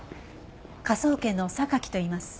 科捜研の榊といいます。